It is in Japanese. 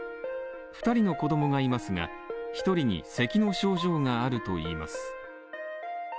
２人の子供がいますが、１人に咳の症状があるといいます。